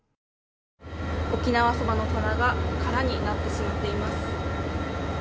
沖縄そばの棚が空になってしまっています。